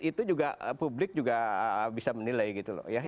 itu juga publik juga bisa menilai gitu loh ya